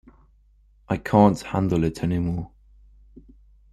I can't handle it anymore.